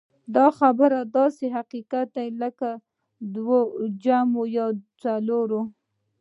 دا خبره داسې حقيقت دی لکه دوه جمع دوه څلور.